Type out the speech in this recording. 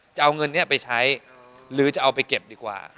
จะเอาเงินนี้ไปใช้หรือจะเอาไปเก็บดีกว่า